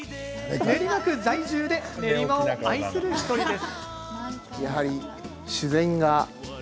練馬区在住で練馬を愛する１人です。